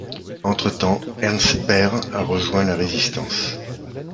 Entre-temps, Ernst père a rejoint la Résistance.